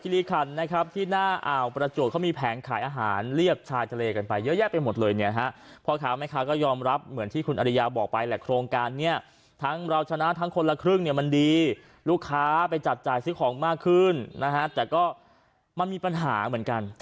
ลูกค้าจ่ายผ่านแอปใช่ไหม